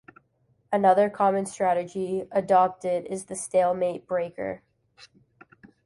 Another common strategy adopted is the "stalemate-breaker".